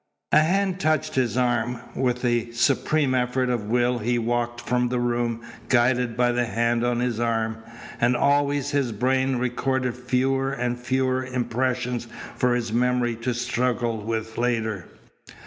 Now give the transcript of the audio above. A hand touched his arm. With a supreme effort of will he walked from the room, guided by the hand on his arm. And always his brain recorded fewer and fewer impressions for his memory to struggle with later.